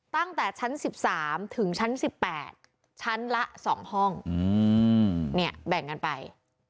ตั้งแต่ชั้น๑๓ถึงชั้น๑๘ชั้นละ๒ห้องเนี่ยแบ่งกันไป